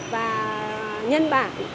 và nhân bản